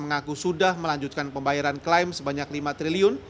mengaku sudah melanjutkan pembayaran klaim sebanyak lima triliun